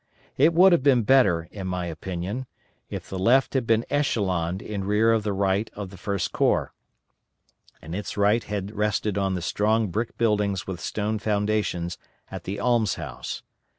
It would have been better, in my opinion, if the left had been echeloned in rear of the right of the First Corps, and its right had rested on the strong brick buildings with stone foundations at the Almshouse.